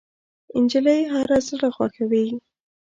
نجلۍ هر زړه خوښوي.